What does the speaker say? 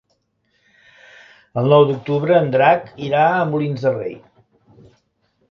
El nou d'octubre en Drac irà a Molins de Rei.